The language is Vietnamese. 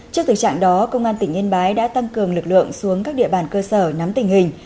trước thực trạng đó công an tỉnh yên bái đã tăng cường lực lượng xuống các địa bàn cơ sở nắm tình hình